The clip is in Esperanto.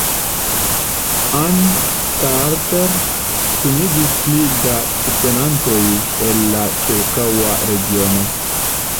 Ann Carter kunigis pli da subtenantoj el la ĉirkaŭa regiono.